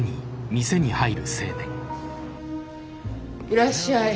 いらっしゃい。